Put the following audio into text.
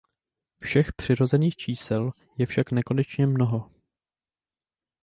Všech přirozených čísel je však nekonečně mnoho.